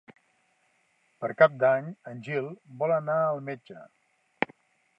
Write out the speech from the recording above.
Per Cap d'Any en Gil vol anar al metge.